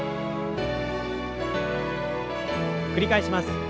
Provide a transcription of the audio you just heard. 繰り返します。